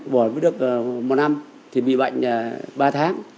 bỏ mới được một năm thì bị bệnh ba tháng